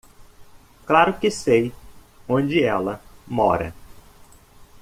Claro que sei onde ela mora.